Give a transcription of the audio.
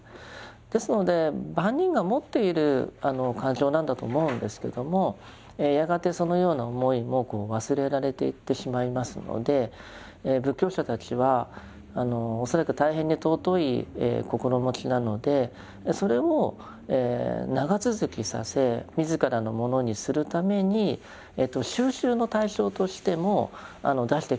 ですので万人が持っている感情なんだと思うんですけどもやがてそのような思いも忘れられていってしまいますので仏教者たちは恐らく大変に尊い心持ちなのでそれを長続きさせ自らのものにするために修習の対象としても出してきたんだと思います。